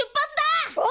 お！